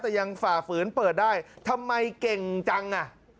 แต่ยังฝ่าฝืนเปิดได้ทำไมเก่งจังอ่ะ